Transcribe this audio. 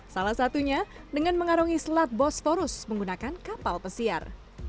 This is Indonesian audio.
salah satunya dengan mengarungi selat bostorus menggunakan kapal pesiar